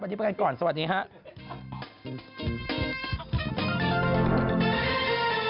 วันนี้ไปกันก่อนสวัสดีครับ